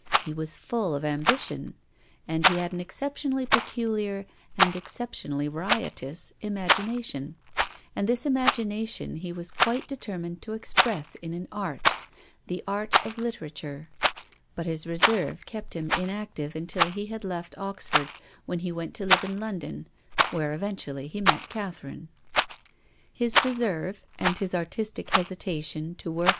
He was full of ambition. And he had an exceptionally peculiar, and exception ally riotous, imagination. And this imagination he was quite determined to express in an art — the art of literature. But his reserve kept him inactive until he had left Oxford, when he went to live in London, where eventually he met Cath erine. His reserve, and his artistic hesitation to work "WILLIAM FOSTER."